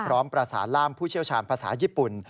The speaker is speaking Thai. พร้อมประสานล่ามผู้เชี่ยวชาญภาษาญี่ปุ่น